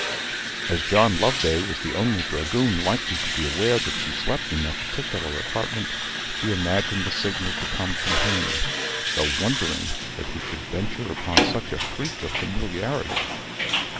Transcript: As John Loveday was the only dragoon likely to be aware that she slept in that particular apartment, she imagined the signal to come from him, though wondering that he should venture upon such a freak of familiarity.